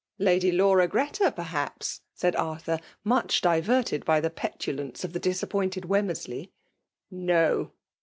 " Lady Laura Greta, perhaps ? said A r* thur, much diverted by the petulance of the disappointed Wemmersley. " No